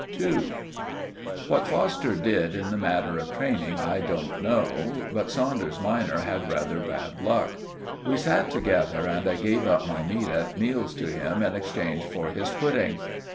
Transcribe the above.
*II* What Foster did in the matter of training I don't know, but Saunders minor had rather bad luck. We sat together, and I gave up my meat at meals to him in exchange for his pudding.